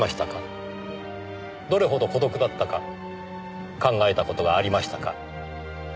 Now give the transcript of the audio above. どれほど孤独だったか考えた事がありましたか？